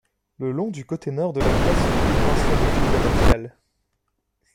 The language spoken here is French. Le long du côté nord de la place se trouve l’ancienne église abbatiale.